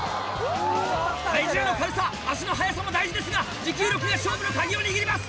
体重の軽さ足の速さも大事ですが持久力が勝負の鍵を握ります！